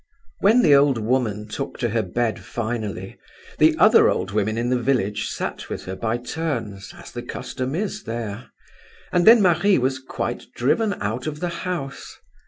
"When the old woman took to her bed finally, the other old women in the village sat with her by turns, as the custom is there; and then Marie was quite driven out of the house.